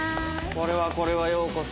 これはこれはようこそ。